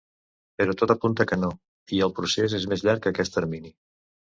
Però tot apunta que no i el procés és més llarg que aquest termini.